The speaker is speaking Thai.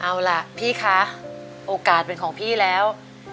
เอาล่ะพี่คะโอกาสเป็นของพี่แล้ว